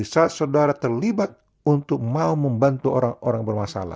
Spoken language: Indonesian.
saat saudara terlibat untuk membantu orang orang yang bermasalah